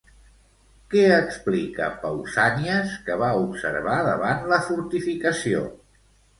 Què explica Pausànies que va observar davant la fortificació?